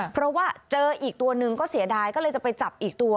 เพราะว่าเจออีกตัวหนึ่งก็เสียดายก็เลยจะไปจับอีกตัว